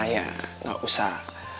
ya gak usah